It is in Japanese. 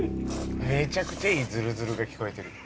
めちゃくちゃいいズルズルが聞こえてる。